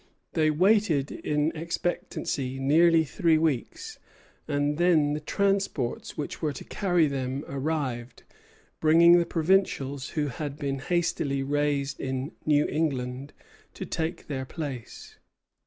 They waited in expectancy nearly three weeks, and then the transports which were to carry them arrived, bringing the provincials who had been hastily raised in New England to take their place.